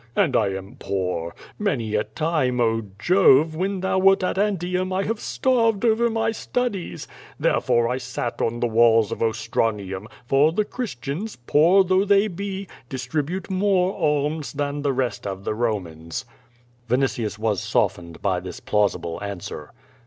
And I am poor. Many a time, oh, Jove, when thou wert at Antium I have stan'ed over my studies. Tlierefore, I sat on the walls of Ostranium, for the Christians, poor though they be, distribute more alms than all the rest of the Romans.*' Vinitius was softened by this plausible answer.